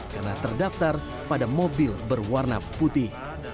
karena terdaftar pada mobil berwarna putih